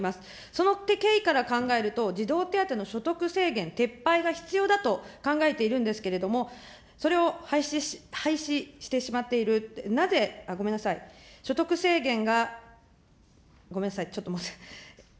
その経緯から考えると、児童手当の所得制限撤廃が必要だと考えているんですけれども、それを廃止してしまっているって、なぜ、ごめんなさい、所得制限が、ごめんなさい、ちょっと。